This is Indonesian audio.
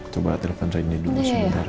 coba telepon reyna dulu sebentar ya